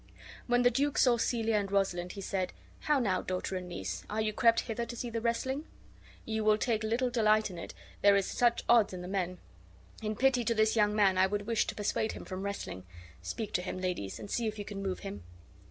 When the duke saw Celia and Rosalind he said: "How now, daughter and niece, are you crept hither to see the wrestling? You will take little delight in it, there is such odds in the men. In pity to this young man, I would wish to persuade him from wrestling. Speak to him, ladies, and see if you can move him."